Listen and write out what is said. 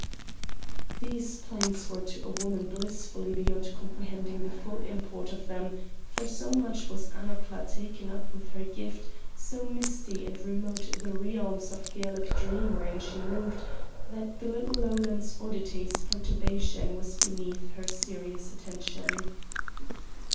These plaints were to a woman blissfully beyond comprehending the full import of them, for so much was Annapla taken up with her Gift, so misty and remote the realms of Gaelic dream wherein she moved, that the little Lowland oddity's perturbation was beneath her serious attention.